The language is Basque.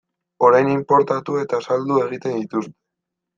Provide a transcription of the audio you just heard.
Orain inportatu eta saldu egiten dituzte.